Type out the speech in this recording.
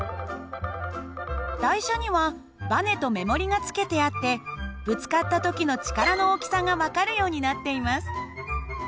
台車にはばねと目盛りが付けてあってぶつかった時の力の大きさが分かるようになっています。